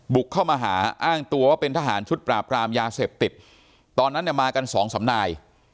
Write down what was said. เข้ามาหาอ้างตัวว่าเป็นทหารชุดปราบรามยาเสพติดตอนนั้นเนี่ยมากันสองสำนาย